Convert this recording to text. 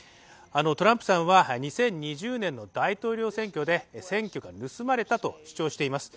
トランプさんは２０２０年の大統領選挙で選挙が盗まれたと主張しています。